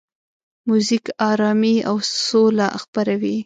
موزیک آرامي او سوله خپروي.